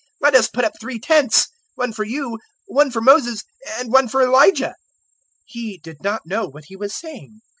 Let us put up three tents one for you, one for Moses, and one for Elijah." He did not know what he was saying.